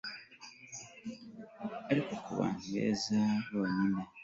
Ariko kubantu beza bonyine